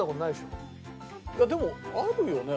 いやでもあるよね。